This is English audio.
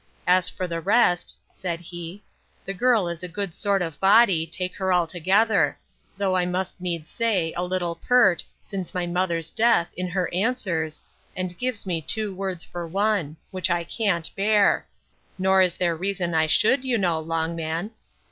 As for the rest, said he, the girl is a good sort of body, take her altogether; though I must needs say, a little pert, since my mother's death, in her answers, and gives me two words for one; which I can't bear; nor is there reason I should, you know, Longman.